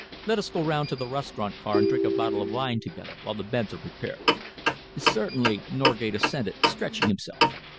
Let us go round to the restaurant car and drink a bottle of wine together while the beds are prepared." "Certainly," Norgate assented, stretching himself.